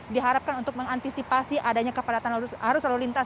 diharapkan untuk mengantisipasi adanya kepadatan arus lalu lintas